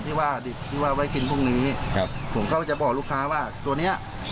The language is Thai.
ที่ว่าเด็กที่ว่าไว้กินพรุ่งนี้ครับผมก็จะบอกลูกค้าว่าตัวเนี้ย